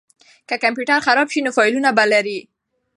که کمپیوټر خراب شي نو فایلونه به لرئ.